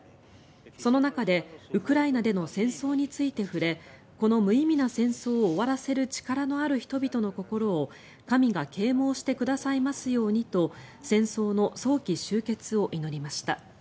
その中でウクライナでの戦争について触れこの無意味な戦争を終わらせる力のある人々の心を神が啓もうしてくださいますようにと戦争の早期終結を祈りました。